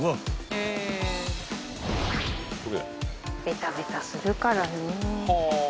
・ベタベタするからね。